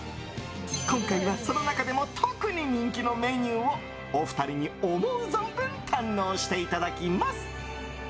今回は、その中でも特に人気のメニューをお二人に、思う存分堪能していただきます。